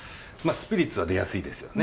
スピリッツは出やすいですよね